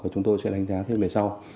chúng tôi sẽ đánh giá về sau